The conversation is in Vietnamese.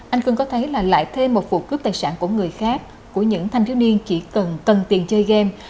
anh cương có thấy là lại thêm một vụ cướp tài sản của người khác của những thanh thiếu niên chỉ cần tiền chơi game